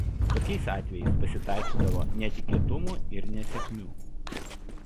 Tokiais atvejais pasitaikydavo netikėtumų ir nesėkmių.